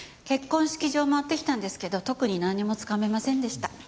結婚式場回ってきたんですけど特になんにもつかめませんでした。